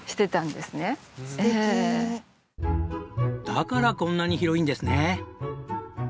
だからこんなに広いんですね。